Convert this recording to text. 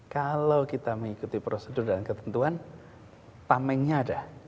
kalau kita mengikuti prosedur dan ketentuan tamengnya ada